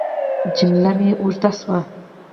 جمله مې اوږده شوه.